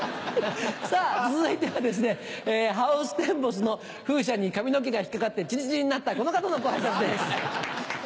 さぁ続いてはですねハウステンボスの風車に髪の毛が引っ掛かってちりちりになったこの方のご挨拶です。